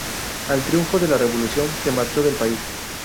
Al triunfo de la Revolución se marchó del país.